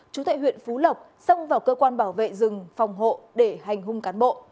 chú tại huyện phú lộc xông vào cơ quan bảo vệ rừng phòng hộ để hành hung cán bộ